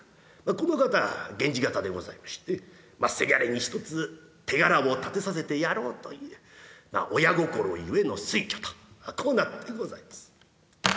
この方は源氏方でございましてせがれにひとつ手柄を立てさせてやろうという親心ゆえの推挙とこうなってございます。